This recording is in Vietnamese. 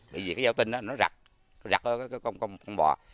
bởi vì cái gieo tinh nó rặt rặt lên con bò